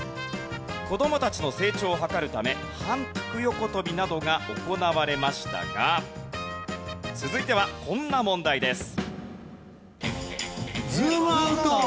子どもたちの成長を測るため反復横跳びなどが行われましたが続いてはこんな問題です。